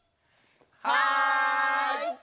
はい！